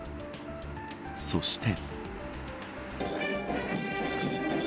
そして。